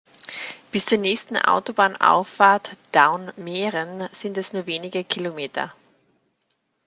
Bis zur nächsten Autobahnauffahrt "Daun-Mehren" sind es nur wenige Kilometer.